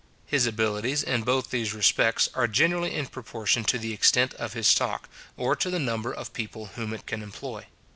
His abilities, in both these respects, are generally in proportion to the extent of his stock, or to the number of people whom it can employ.